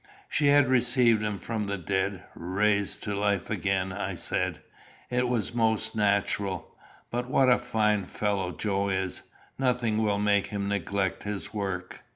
"She had received him from the dead raised to life again," I said; "it was most natural. But what a fine fellow Joe is; nothing will make him neglect his work!"